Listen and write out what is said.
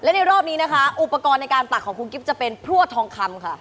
และในรอบนี้นะคะอุปกรณ์ในการตักของคุณกิ๊บจะเป็นพลวดทองคำค่ะ